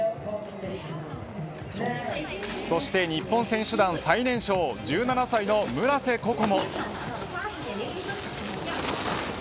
そして日本選手団最年少１７歳の村瀬心椛。